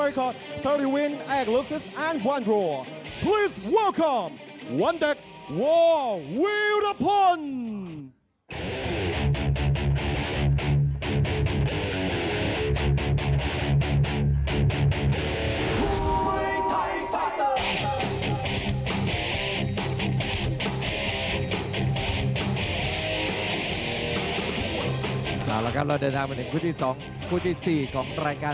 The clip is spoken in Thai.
เราเดินทางไปถึงคุณที่๒คุณที่๔ของรายการ